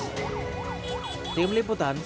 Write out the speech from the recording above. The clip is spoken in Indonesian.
tim liputan p tiga sd nasosial dan beberapa pengendara lain